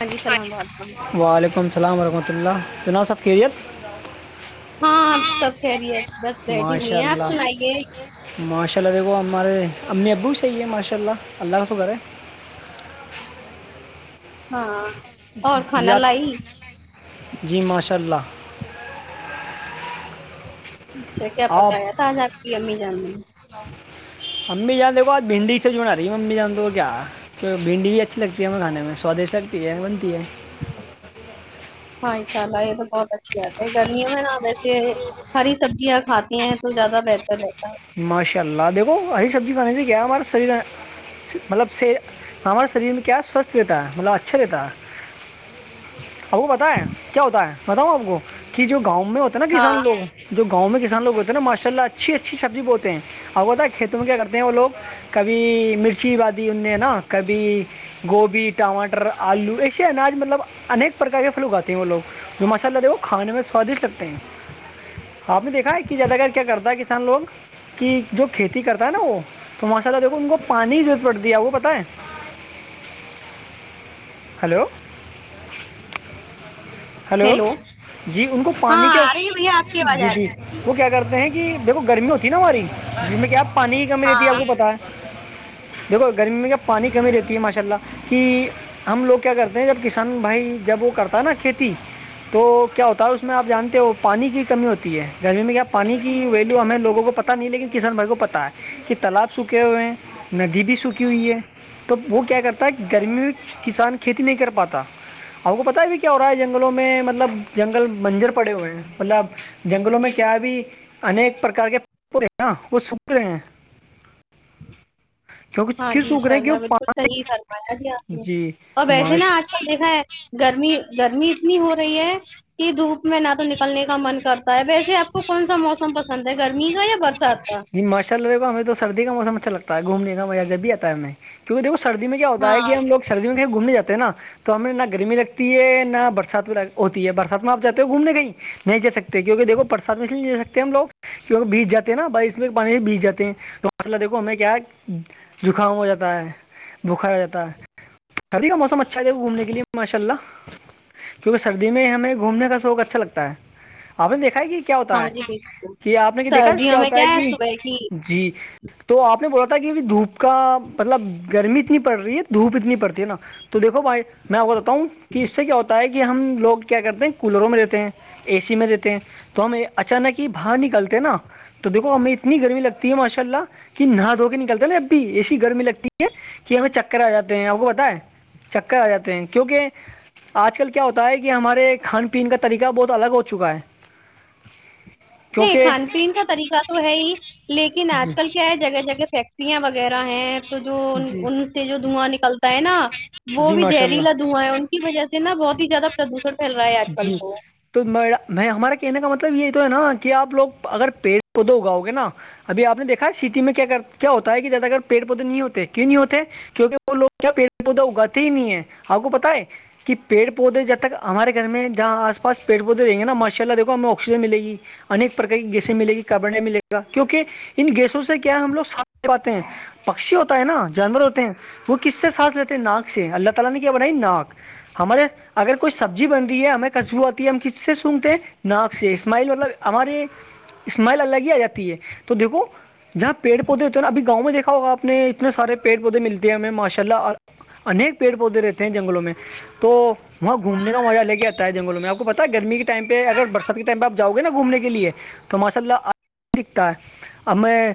ہاں جی السلام علیکم وعلیکم السلام ورحمۃ اللہ ج ن صفخیریت ہاں آپ سب خہری ہے بس بیٹھی ماشاء ہوئی ہیں آپ اللہ سنائیے ماشاء اللہ دیکھو ہمارے امی ابو بھی صی ہیں ماشاء اللہ اللہ کا تو کرے [inaudible] کھانا یاد لائی جی ماشاء اللہ اچھا کیا پتا ی تھا آج آپ کی امی جان میں امی جان د کو آج بھنڈی سے جوڑا رہی ہے امی جان د کیا تو بھنڈی بھی اچھی لگتی ہے ہمیں کھانے میں سواددشٹ لگتی ہے بنتی ہے ہاں ان شاء اللہ یہ تو بہت اچھی رہات ہے گرمیوں میں نہا بیتی ہے ہری سبزیاں کھاتی ہیں تو زیادہ بہتر رہتا ہے ماشاء اللہ دیکو ای سبزی کھانی سے کیا ہمار سری مطلب ہمارے شریر میں کیا سوستھ رہتا ہے مطلب اچھا رہتا ہے اب وہ بتا ہے کیا ہوتا ہے بتاؤ آپ کو کہ جو گاؤں میں ہوتا ہے نا کسان ہاں لوگ جو گاؤں میں کس لوگ ہوتے ہیںا ماشاء اللہ اچھی اچھی سبزی بتے ابگتا ہے کھیتوں میں کیا کرتے وہوگ کبھی مرچی بادی ان نے نا کبھی گوبھی ٹماٹر آلو ایسے اناج مطلب انیک پرکار کے فھل اگاتے ہیں وہ لوگ جو مسالہ تھے وہ کھانے میں سوادشٹ لگتے ہیں آپ نے دیکھا ہے کہ جیاداگر کیا کرتا ہے ک لوگ کی جو کھیتی کرتا ہے نا وہ تو ماشاء اللہ دیکھو ان کو پانی جو بڑتی ہے وہ پت ہے ہیلو ہیلو جی ان کو ہاں پانی کیا آ رہی ہے بھیا آپ کی آواز جی آ جی رہی ہے وہ کیا کرتے ہیں کہ دیکھو گرمی ہوتی ہے نا ہماری جس میں کیا آپ پانی کی کمی رہتی ہاں ہے آپ کو پتا ہے دیکھو گرمی میں کیا پانی کمی رہتی ہے ماشاء اللہ کہ ہم لوگ کیا کرتے ہیں جب کسان بھائی جب وہ کرتا ہے نا کھیتی تو کیا ہوتا ہے اس میں آپ جانتے ہو پانی کی کمی ہوتی ہے گرمی میں کیا پانی کی ویلو ہمیں لوگوں کو پتا نہیں لیکن کسان بھائی کو پتا ہے کہ تالاب سوکھے ہوئے ہیں ندی بھی سوکھی ہوئی ہے توب وہ کیا کرتا ہے گرمی میں کسان کھیتی نہیں کر پاتا آپ کو پتا ہے بھی کیا ہو رہا ہے جنگلوں میں مطلب جنگل منجر پڑے ہوئے ہیں مطلب جنگلوں میں کیا ابھی انیک پرک کے پڑے نا وہ سکھ رہے ہیں کیونکہ ہاں کیوں جی ان سوکھ رہے شاء ہیں اللہ کیوں بالکل صحیح فرمایا ج آپ نے جی اور ویسے نا ماش آج کل دیکھا ہے گرمی گرمی اتنی ہو رہی ہے کہ دھوپ میں نہ تو نکلنے کا من کرتا ہے ویسے آپ کو کون سا موسم پسند ہے گرمی کا یا برسات کا چلےا ہمیں تو سردی کا موسم اچھا لگتا ہے گھومنے کا مزہ جب بھی آتا ہے ہمیں کیکہ دیکو سرد میں کیا ہوتا ہاں ہے کہ ہموگ سردی میں کہ گھومنے جات ہیں نا تو ہمیں نہ گرمی لگتی ہے نہ برسات ہوتی ہے برسات میں آپ جاتے ہو گھومنے کہیں نہیں جا سکتے کیونکہ دیکو پرساد میں سے نہیں لے سکتے ہم لوگ کیہ بیج جے ہیں نا ب اس میں پانی سے بیج جاتے ہیں تو مسئلہ دیکھو ہمیں کیا ہے زکام ہو جاتا ہے بخار ہو جاتا ہے سبھی کا موسم اچھا جائے گا گھومنے کے لیے ماشاء اللہ کیونکہ سردی میں ہمیں گھومنے کا شوق اچھا لگتا ہے آپ نے دیکھا ہے کہ ہاں جی بالکل یہ آپ نے کہ دیکھا سردیوں کیا میں ہوتا ہے کہ صبح کی جی تو آپ نے بولا تھا کہ اب دھوپ کا مطلب گرمی اتنی پڑ رہی ہے دھوپ اتنی پڑتی ہے نا تو دھو بھائی میں آپ کو بتاؤوں کہ اس سے کیا ہوتا ہے کہ ہم لوگ کیا کرتے ہیں کولروں میں رہتے ہیں اے سی میں رہتے ہیں تو ہم اچانک ہی باہر نکلتے نا تو دیکو ہمیں اتنی گرمی لگتی ہے ماشاء اللہ کہ نہا دھو کے نکلتا اب بھی ایسی گرمی لگتی ہے کہ ہمیں چکر آ جاتے ہیں آپ کو بتا ہے چکر آ جاتے ہیں کیونکہ آج کل کیا ہوتا ہے کہ ہمارے کھان پین کا طریقہ بہت الگ ہو چکا ہے نہیں کیونکہ کھان پین کا طریقہ تو ہے ہی لیکن آج جی کل کیا ہے جگہ جگہ فیکٹ یاں وغیرہ ہیں تو جو جی ان سے جو دھواں ن نکلتا ہے نا وہ جی بھی ماشاء اللہ زہریلا دھواں ہے ان کی وجہ سے نا بہت ب زیادہ پردوشن پھیل رہا ہے آج کل جی تو تو ہمارے کہنے کا مطلب یہ تو ہے نا کہ آپ لوگ اگر پیڑ پودے اگاؤ گے نا ابھی آپ نے دیکھا سٹی میں کیا کر کیا ہوتا ہے کہ زیادہ اگر پیڑ پودے نہیں ہوتے کیوں نہیں ہوتے کیونکہ وہ لوگ کیا پیڑ پودا اگاتے ہی نہیں ہے آپ کو پت ہے کہ پیڑ پ پودے جب تک ہمارے گھر میں جہاں آ پاس پی پودے رہیں گے نا ماشء اللہ دیکو ہمیں آکسیجن ملےی انیک پرک کی گیسیں ملے گی کابڑ ملے گا کیونکہ ان گیسوں سے کیا ہم لو ساتے ہیں پاکشی ہوتے ہیں نا وو کسے سچلتے ہیں ناک سے اللہ کو تو کیا بنائ ناک ہمارے اگر کوئی سبزی بن رہی ہے ہمیں خشبو آتی ہے ہم کس سے سنتے ہیں ناک سے اسماعل مطلب ہمارے اسماعل الگ ہی آ جاتی ہے تو دیکھو جہاں پیڑ پودے ہوتے ہیں ن ابھی گاؤں دیکھا ہوگاپ نے اتنے سار پڑ پودے ملتے ہیں ہمیں ماشء ال انیک پیڑ پودے رہتے ہیں جنگلوں میں تو وہاں گھومنے کا مہ لے آتا ہے جنگوں میں آپ کو پتا گمی ٹائم پہ اگر بس ائمہ آپ جؤ گے نا گھومنے لیے تو ماشاء اللہ دکھتا ہے اب ہم میں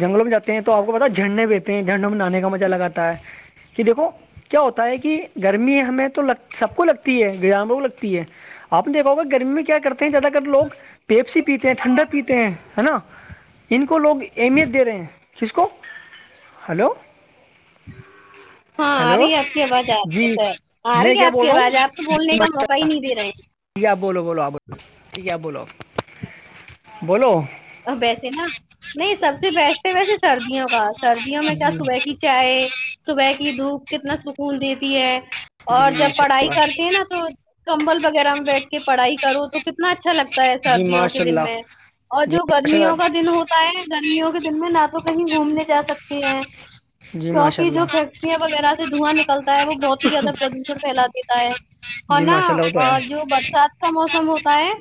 جنگلوں میں جاتے ہیں تو آپ کو پتا جھرنڈے بیتے ہیں جنڈوں میں نہانے کا مزہ لگاتا ہے کہ دیکھو کیا ہوتا ہے کہ گرمی ہمیں تو لگ سب کو لگتی ہے گامب لگتی ہے آپ نے دیکھا ہوگا گرمی میں کیا کرتے ہیں زیادہ تر لوگ پیپسی پیتے ہیں ٹھنڈا پیتے ہیں نا ان کو لوگ اہمیت دے رہے ہیں کس کو ہلو ہاں آ ہیلو رہی ہے آپ کی آواز آ رہی جی ہے سر آ میں رہی ہے کیا آپ بول کی رہا ہوں آواز آپ تو بولنے کا موقع ہی نہیں دے رہے [unintelligible] ٹھیک بولو بولو آپ بو ٹھیک ہے بولو بولو ویسے نا نہیں سب سے بیسٹ ہے ویسے سردیوں کا سردیوں میں جی کیا صبح کی چائے صبح کی دھوپ کتنا سکون دیتی ہے جی اور جب پڑھائی کرتے ہیں نا تو کمبل وغیرہ میں بیٹھ کے پڑھائی کروں تو کتنا اچھا لگتا ہوتا ہے سردیوں کے ماشاء دن اللہ میں اور جی جو ماشاء گرمیوں اللہ کا دن ہوتا ہے گرمیوں کے دن میں نہ تو کہیں گھومنے جا سکتی ہیں جی ماشاء کیوںکہ جو اللہ فیکٹریاں وغیرہ سے دھواں نکلتا ہے وہ بہت ہی زیادہ پردوشن پھیلا دیتا ہے اور جی نا ماشاء اللہ جی ماشاء اللہ وہ اور تو جو برسات کا موسم ہوتا ہے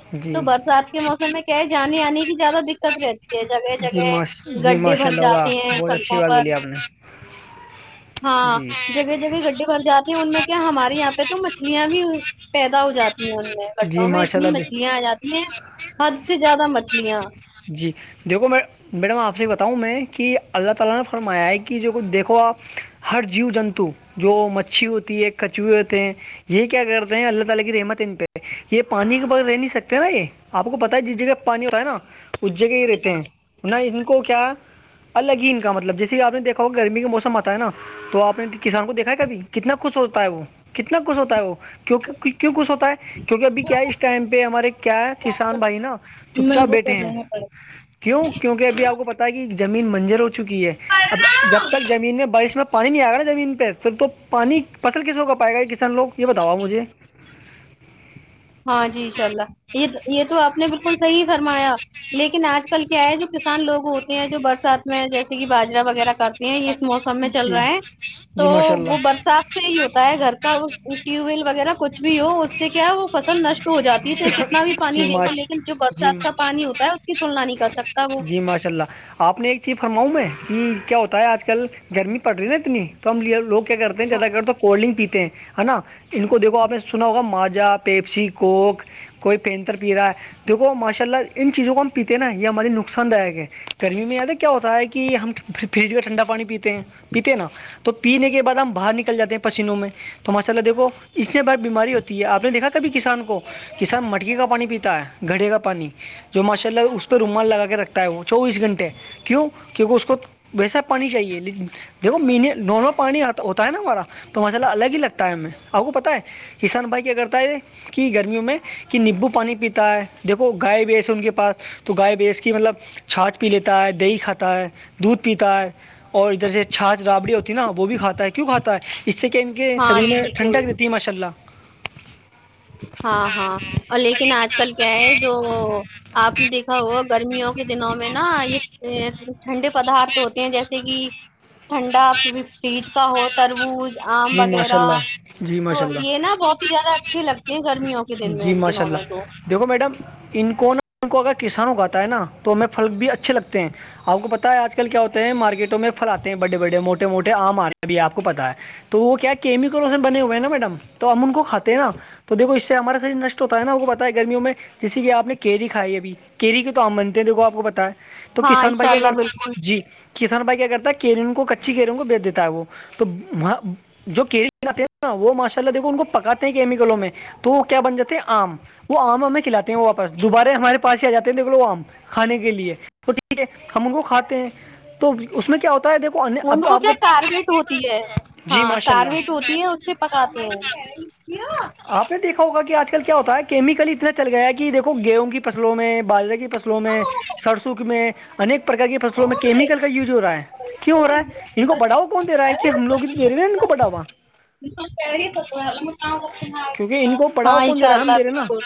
ہے تو جی برسات کے موسم میں کیا ہے جانانی آنے کی زیادہ د دقت رہتی ہے جگہ جی جگہ ماش جی گڈی ماشاء بھر اللہ واہ جاتی ہے بہت اچھی سڑکوں بات پر بولی آپ نے ہاں جی جگہ جگہ گڈی بھر جاتی ان میں کیا ہمارے یہاں پہ تو مچھلیاں بھی پیدا ہو جاتی جی کا میں ماشاء اتنی اللہ مچھلیاں آ جاتی ہیں حد سے زیادہ مچھلیاں جی دیکھو میں میڈم آپ سے بتاؤں میں کہ اللہ تعا لا نے فرمایا ہے کہ جو کچھ دیکھو آپ ہر جیو جنتو جو مچھی ہوتی ہے کچوے ہوتے ہیں یہ کیا کرتے ہیں اللہ تعالی کی رحمت ان پہ یہ پانی کے ب رہ نہیں سکتے نا یہ آپ کو پتا ہے جس جگہ پانی ہو رہتاا ہے نا اس جگہ ہی رہتے ہیں نہ ان کو کیا الگ ہی ان کا مطلب جیسے آپ نے دیکا ہو گرمی کا موسم آتا ہے نا تو آپ نے کسان کو دیکھا ہے کبھی کتنا خوش ہوتا ہے وہ کتنا کھ ہوتا ہے وہ کی کیوں کچھ ہوتا ہے کیونکہ ابھی کیا اس ٹائم پہ ہمارے کیا کسان بھائی نا چپ میں چاپ وہ بیٹھے کر ہیں لینا پڑے کیوں کیونکہ ابھی آپ کو پتا ہے کہ زمین منجر ہو چکی ہے اب جب تک زمین میں بارش میں پانی نہیں آئے گا نا زمین پہ سر تو پانی فصل کس ہو کا پائے گا کان لوگ یہ بتاؤا مجھے ہاں جی ان شاء اللہ یہ یہ تو آپ نے بالکل صحیح فرمایا لیکن آج کل کیا ہے جو کسان لوگ ہوتے ہیں جو برسات میں جیسے کہ باجرا وغیرہ کا کرتی ہیں اس موسم میں چل جی رہا ہے تو جی ماشاء وہ اللہ برسات [unintelligible] سے ہی ہوتا ہے گھر کا ٹیوب ویل وغیرہ کچھ بھی ہو اس سے کیا وہ فصل نش [unintelligible] ہو جاتی ہے چاہے کتنا بھی پانی جی دے لو ماش لیکن جو جی برسات کا پانی ہوتا ہے اس کی تلنا نہیں کر سکتا وہ جی ماشاء اللہ آپ نے ایک فرماؤں میں کہ کیا ہوتا ہے آج کل گرمی پڑ رہی نا اتنی تو ہم لے لوگ کیا کرتے ہیں زیادہگر تو کولڈ ڈرنک پیتے ہیں ہے نا ان کو دیکھو آپ نے سنا ہوگا ماجا پیپسی کوک ئی پینتر پی رہا ہے دیکھو ماشاء اللہ ان چیزوں کو ہم پیتے نا یہ ہماری نک نقصان داک ہے گرمی میں یاد کیا ہوتا ہے کہ ہم فریج میں ٹھنڈا پانی پیتے ہیں پیتے نا تو پینے کے بعد ہم باہر نکل جاتے ہیں پسینوں میں تو ماشاء اللہ دیکھو اس سے بار بیماری ہوتی ہے آپ نے دیکھا کبھی کسان کو کہ س مٹکی کا پانی پیتا ہے گھڑے کا پانی جو ماشاء اللہ اس پہ رومال لگا کے رکھ تا ہے وہ چوبیس گھنٹے کیوں کیونکہ اس کو ویسا پانی چاہیے لیکن دیکھو نارمل پانی ہوتا ہے نا ہمارا تو مسئلہ الگ ہی لگتا ہے ہم آپ کو پت ہے کسان بھائی کیا کرتا ہے کہ گرمیوں میں کہ نیمبو پانی پیتا ہے دیکھو گائے بیس ہے ان کے پاس تو گائے بیس کی مطلب چھاات پی لیتا ہے دہی کھاتا ہے دودھ پیتا ہے اور ادھر سے چھاھ رابڑی ہوتی ہے نا وہ بھی کھاتا ہے کیوں کھاتا ہے اس سے کہ ان کے ہاں شریر جی میں بالکل ٹھنڈک رہتی ہے ماشاء اللہ ہاں ہاں اور لیکن آج کل کیا ہے جو آپ نے دیکھا ہو گرمیوں کے دنوں میں نا یہ ٹھنڈے پدارت ہوتے ہیں جیسے کہ ٹھنڈا فریج کا ہو تربوز آم جی ماشاء وغیرہ اللہ جی تو ماشاء اللہ یہ نا بہت ہی زیادہ اچھے لگتے ہیں گرمیوں کے دن جی میں ماشاء دنوں میں تو اللہ دیکھو میڈم ان کون کو اگر کسان اگاتا ہے نا تو ہمیں پھل بھی اچھے لگتے ہیں آپ کو پتا ہے آج کل کیا ہوتے ہیں مارکیٹوں میں پھلاتتے ہیں بڈے بڑڈے موٹے موٹے آم آتے بھی آپ کو پتا ہے تو وہ کیا کیمیکل بنے ہوئے ہیں نا میڈم تو ہم ان کو کھے ہیں نا تو دیکو اس سے ہمارا شریر نشٹ ہوتا ہے نا وہ کو بتتا ہے گرمیوں میں جیس کہ آپ نے کیری کھائی ابھی کیری کے تو آ منتے ہیں دیکھو آپ کو پتا ہے تو ہاں کسان انشاء بھیا اللہ بالکل کرتا جی کسان بھائی کیا کرتا ہے کیریوں کو کچی کیروں کو بیچ دیتا ہے وہ تو جو کیری بناتے ہیں نا وہ ماشاء اللہ دیکھو ان کو پکاتے ہیں کیمیکلوں میں تو کیا بن جاتے ہیں آم وہ آم ہمیں کھلاتے ہیں واپس دوبارہ ہمارے پاس ہی آ جاتے ہیں دیکھ لو آم کھانے کے لیے تو ٹھیک ہے ہم ان کو کھاتے ہیں تو اس میں کیا ہوتا ہے دیکھو ان اب کو آپ کیا کارویٹ ہوتی ہے جی ہاں ماشاء اللہ کارویٹ ہوتی ہے اس سے پکاتے ہیں کیا آپ نے دیکھا ہوگا کہ آج کل کیا ہوتا ہے کیمیکل اتنا چل گیا ہے کہ دیکھو گیہوں کی فصلوں میں باجرے کی فصلوں میں سرسوںک میں انیک پرک کی فصلوں میں کیمیکل کا یوز ہو رہا ہے کی ہو رہا ہے ان کو بڑاؤو کون د رہا ہے کہ ہم لوگ دے رہے نا ان کو بڑاوا ہاں کہ ہی سسوا کیونکہ ان کو پڑھاؤ کون دے رہا ہے ہم اللہ دے رہے نا بالکل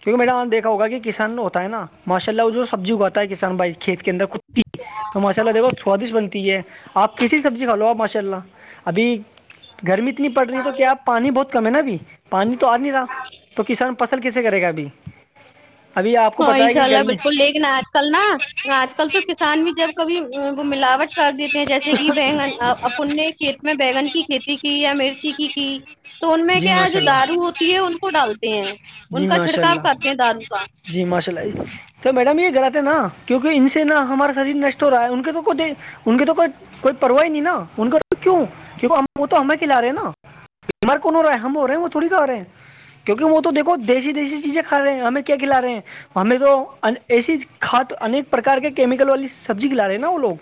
کیونکہ میڈم آاں دیکھا ہوگا کہ کسان ہوتا ہے نا ماشاء اللہ وہ جو سبزی اگاتا ہے کسان بھائی کھیت کے اندر کتی تو ماشاء اللہ دیکھو سوادشٹ بنتی ہے آپ کسی سبزی کھا لو آ ماشاء اللہ ابھی گرمی اتنی پڑ رہی تو کیا آپ ہے نا ابھی پانی تو آ نہیں رہا تو کسان فصل کیسے کرے گا ابھی ابھی آپ کو ہاں پتہ ان ہے شاء کہ اللہ گرمی بالکل لیکن آج کل نا آج کل تو کسان بھی جب کبھی وہ ملاوٹ کر دیتے ہیں جیسے کہ بگن اپنے کھیت میں بیگن کی کھیتی کی یا مرچی کی کی تو ان میں جی کیا ہے جو ماشاء دارو ہوتی ہے اللہ ان کو ڈالتے ہیں ان جی کا ماشاء چھڑکاؤ اللہ کرتے ہیں دارو کا جی ماشاء اللہی تو میڈم یہ گلاات نا کیونکہ ان سے نہا ہمارا شریر نشٹ ہو رہا ہے ان کے تو کو ان کی تو کوئی کوئی پرواہ ہی نہیں نا ان کا کیوں کیکہ ہم وہ تو ہمیں کھلا رہے ہیں نا بیمار کون ہو رہا ہے ہم ہو رہے ہیں وہ تھوڑیا ہو رہے ہیں کیونک وہ تو دیکھو دیسی دیسی چیزیں کھاے ہیں ہمیں کیا کھلا رہے ہیں ہمیں تو ایسی کھاد انیک پرار کے کیمیکل والی سبزی کلا رہے ہیں نا وہ لوگ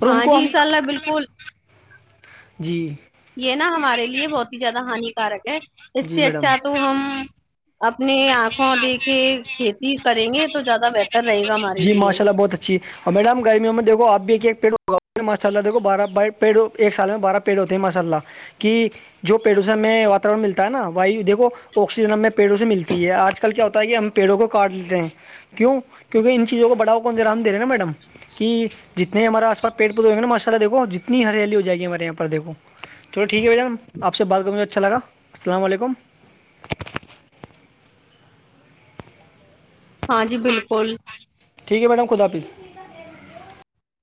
اور ان ہاں کو جی ہم ساللہ بالکل جی یہ نا ہمارے لیے بہت ہی زیادہ ہانیکارک ہے اس جی سے میڈم اچھا تو ہم اپنے آنکھوں دیکھے کھیتی کریں گے تو زیادہ بہتر رہے گا ہمارے جی لیے ماشاء اللہ بہت اور میڈم گرمی میں دیکھ آ ا بھی ایک پیڑ ہوگا ماشاء اللہ دیکو بارہ ب پیڑوں ایک سال میں بارہ پیڑ ہوتے ماشاءاللہ کہ جو پیڑوں سے ہمیں واورن ملتا ہے نا وایو دیکو آکسیجن ہمیں پیڑوں سے ملتا تی ہے آج کل کیا ہوتا ہے کہ ہم پیڑوں کو کاٹ لیتے ہیں کیوں کیونکہ ان چیزوں کو بڑھاؤ کون دے رہے نا میڈم کہ جتنے ہمارے آس پاس پیڑ پودے ہو گ نا ماشا اللہ دیکھو جتنی ہریالی ہو جائے گی ہمارے یہاں پر دیکو چلو ٹھیک ہے بھ جان آپ سے بات کروں مجھے اچھا لگا السلام علیکم ہاں جی بالکل کل ٹھیک ہے میڈم خدا حافظ